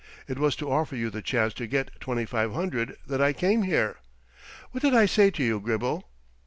It was to offer you the chance to get twenty five hundred that I came here. What did I say to you, Gribble?"